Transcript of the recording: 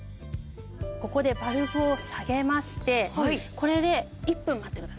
ここでバルブを下げましてこれで１分待ってください。